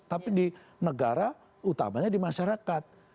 tapi di negara utamanya di masyarakat